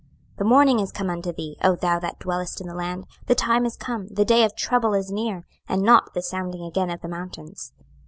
26:007:007 The morning is come unto thee, O thou that dwellest in the land: the time is come, the day of trouble is near, and not the sounding again of the mountains.